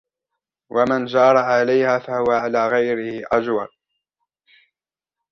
وَمَنْ جَارَ عَلَيْهَا فَهُوَ عَلَى غَيْرِهِ أَجْوَرُ